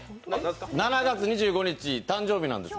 ７月２５日、誕生日なんです。